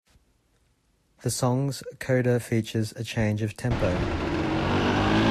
The song's coda features a change of tempo.